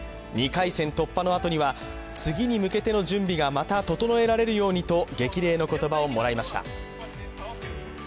２回戦突破の後には、次に向けての準備がまた整えられるようにと激励の言葉をもらいました。